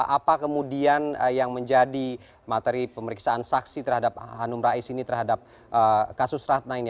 apa kemudian yang menjadi materi pemeriksaan saksi terhadap hanum rais ini terhadap kasus ratna ini